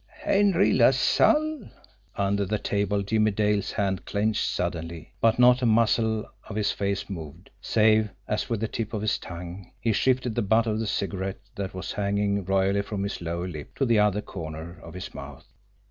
HENRY LASALLE! Under the table, Jimmie Dale's hand clenched suddenly; but not a muscle of his face moved, save, as with the tip of his tongue, he shifted the butt of the cigarette that was hanging royally from his lower lip to the other corner of his mouth.